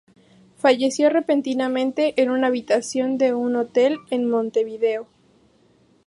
Falleció repentinamente, en una habitación de un hotel de Montevideo.